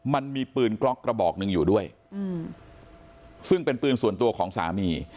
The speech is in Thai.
มันมีปืนกล็อกกระบอกหนึ่งอยู่ด้วยซึ่งเป็นปืนส่วนตัวของสามี